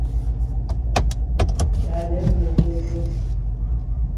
Кӏалэр мэджэгу.